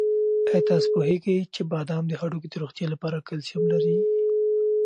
آیا تاسو پوهېږئ چې بادام د هډوکو د روغتیا لپاره کلسیم لري؟